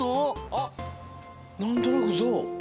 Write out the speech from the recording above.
あっなんとなくゾウ。